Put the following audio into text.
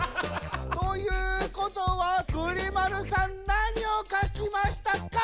ということはぐり丸さん何をかきましたか？